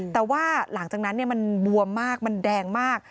แต่ว่าหลังจากนั้นมันบวมมากมันแดงมาก